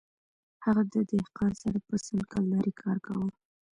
هغه د دهقان سره په سل کلدارې کار کاوه